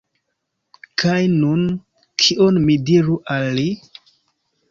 Kaj nun, kion mi diru al li?